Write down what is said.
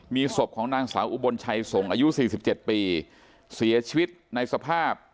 มีศพของนางสาวอุบลชัยส่งอายุ๔๗ปีเสียชีวิตในสภาพ